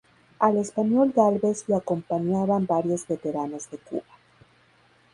Al español Gálvez lo acompañaban varios veteranos de Cuba.